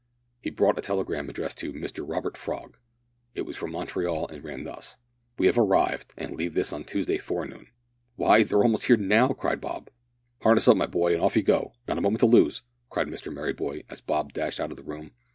He brought a telegram addressed to "Mr Robert Frog." It was from Montreal, and ran thus: "We have arrived, and leave this on Tuesday forenoon." "Why, they're almost here now," cried Bob. "Harness up, my boy, and off you go not a moment to lose!" cried Mr Merryboy, as Bob dashed out of the room.